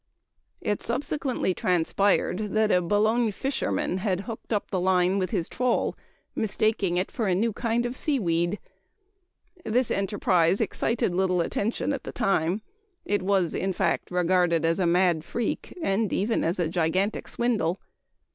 It subsequently transpired that a Boulogne fisherman had hooked up the line with his trawl, "mistaking it for a new kind of seaweed!" This enterprise excited little attention at the time. It was, in fact, regarded as a "mad freak" and even as a "gigantic swindle."